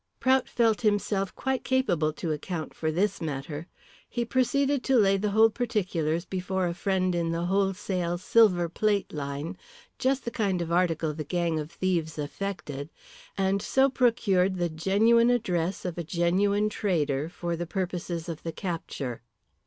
Prout felt himself quite capable to account for this matter. He proceeded to lay the whole particulars before a friend in the wholesale silver plate line just the kind of article the gang of thieves affected and so procured the genuine address of a genuine trader for the purposes of the capture.